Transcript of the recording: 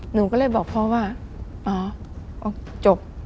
หนูก็เลยบอกพ่อว่าอ๋อจบ